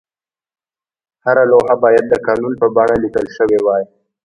هره لوحه باید د قانون په بڼه لیکل شوې وای.